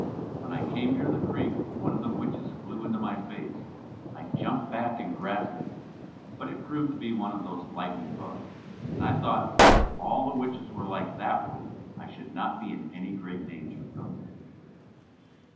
When I came near the creek one of the witches flew into my face. I jumped back and grasped it, but it proved to be one of those lightning bugs, and I thought that if all the witches were like that one, I should not be in any great danger from them.